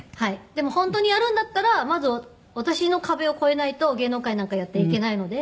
でも本当にやるんだったらまず私の壁を越えないと芸能界なんかやっていけないので。